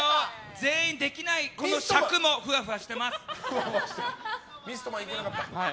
全員できない、この尺もふわふわしてます。